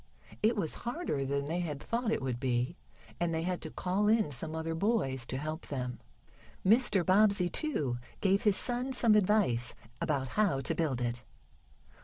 It was harder than they had thought it would be, and they had to call in some other boys to help them. Mr. Bobbsey, too, gave his son some advice about how to build it.